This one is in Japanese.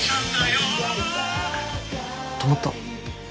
止まった。